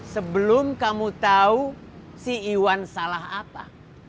sebelum kamu tahu si iwan salah apa